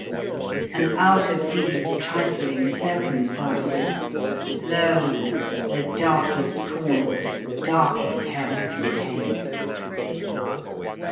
And out of these trifling circumstances lo! the darkest corner that darkest Hell contained.